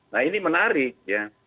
nah ini menarik ya